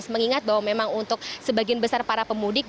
mengingat bahwa memang untuk sebagian besar para pemudik